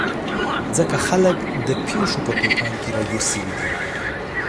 ځکه خلک د پېښو په توپان کې راګیر شوي دي.